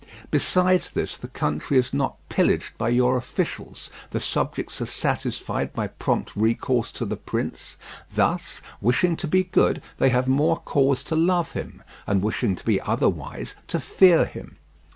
Besides this, the country is not pillaged by your officials; the subjects are satisfied by prompt recourse to the prince; thus, wishing to be good, they have more cause to love him, and wishing to be otherwise, to fear him.